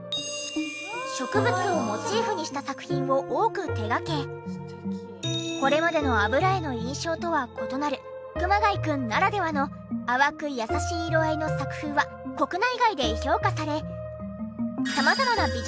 植物をモチーフにした作品を多く手掛けこれまでの油絵の印象とは異なる熊谷くんならではの淡く優しい色合いの作風は国内外で評価され。